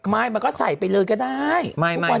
ไม่มันก็ใส่ไปเลยก็ได้ไม่ไม่ค่ะ